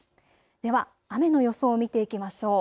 では雨の予想を見ていきましょう。